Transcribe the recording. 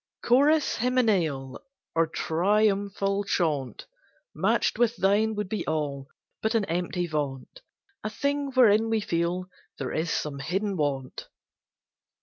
Chorus hymeneal Or triumphal chaunt, Match'd with thine, would be all But an empty vaunt A thing wherein we feel there is some hidden want.